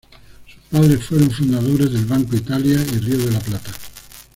Sus padres, fueron fundadores del Banco Italia y Río de la Plata.